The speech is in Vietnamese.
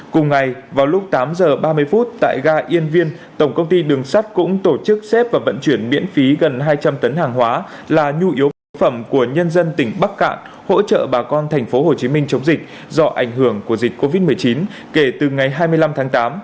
cùng ngày vào lúc tám giờ ba mươi phút tại ga yên viên tổng công ty đường sắt cũng tổ chức xếp và vận chuyển miễn phí gần hai trăm linh tấn hàng hóa là nhu yếu phẩm của nhân dân tỉnh bắc cạn hỗ trợ bà con tp hcm chống dịch do ảnh hưởng của dịch covid một mươi chín kể từ ngày hai mươi năm tháng tám